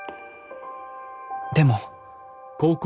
でも。